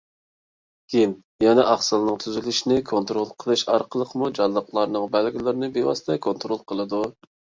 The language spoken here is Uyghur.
گېن يەنە ئاقسىلنىڭ تۈزۈلۈشىنى كونترول قىلىش ئارقىلىقمۇ جانلىقلارنىڭ بەلگىلىرىنى بىۋاسىتە كونترول قىلىدۇ.